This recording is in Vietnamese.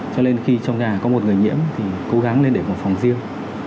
cho nên khi trong nhà có một người nhiễm thì cố gắng lên để một phòng riêng